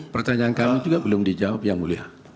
pertanyaan kami juga belum dijawab yang mulia